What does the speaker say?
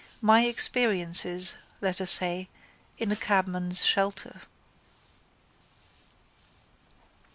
My Experiences, let us say, in a Cabman's Shelter.